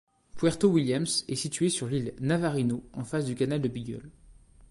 Puerto Williams est située sur l’île Navarino en face du canal de Beagle.